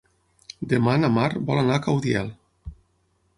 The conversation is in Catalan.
Demà na Mar vol anar a Caudiel.